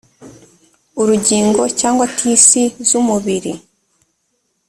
urugingo cyangwa tisi z umubiri